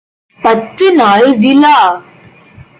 பத்து நாள் விழா!